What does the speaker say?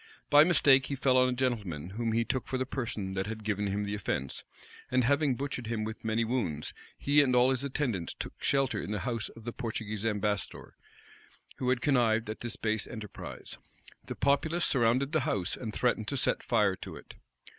By mistake, he fell on a gentleman whom he took for the person that had given him the offence; and having butchered him with many wounds, he and all his attendants took shelter in the house of the Portuguese ambassador, who had connived at this base enterprise.[] The populace surrounded the house, and threatened to set fire to it.